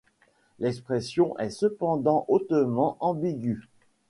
L'expression est cependant hautement ambiguë.